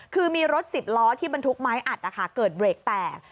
คือมีรถสิบล้อที่บรรทุกไม้อัดนะคะเกิดเบรกแตก